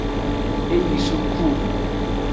E yi suku.